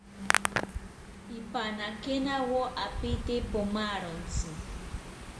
Pipanakenawo apiite pomarontzi